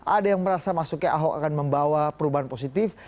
ada yang merasa masuknya ahok akan membawa perubahan positif